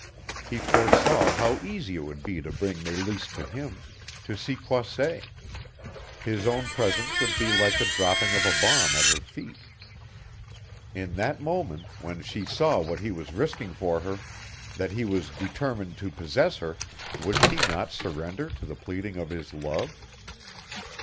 He foresaw how easy it would be to bring Meleese to him to see Croisset. His own presence would be like the dropping of a bomb at her feet. In that moment, when she saw what he was risking for her, that he was determined to possess her, would she not surrender to the pleading of his love?